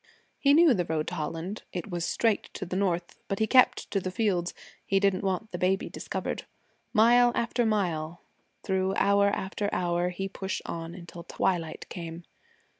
He knew the road to Holland: it was straight to the north. But he kept to the fields. He didn't want the baby discovered. Mile after mile, through hour after hour he pushed on, until twilight came.